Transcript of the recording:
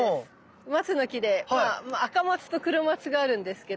マツの木でまあアカマツとクロマツがあるんですけど。